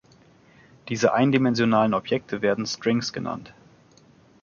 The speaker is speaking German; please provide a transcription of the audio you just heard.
Diese eindimensionalen Objekte werden "Strings" genannt.